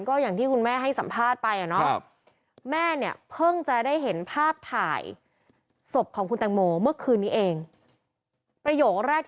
ก็อย่างที่คุณแม่ให้สัมภาษณ์ไปอะเนาะ